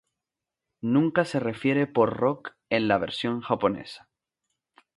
Nunca se refiere por Rock en la versión japonesa.